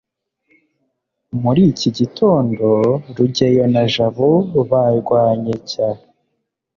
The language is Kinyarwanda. muri iki gitondo, rugeyo na jabo barwanye cy